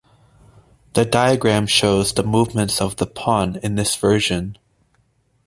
The diagram shows the movements of the pawn in this version.